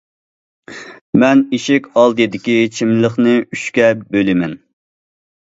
مەن ئىشىك ئالدىدىكى چىملىقنى ئۈچكە بۆلىمەن.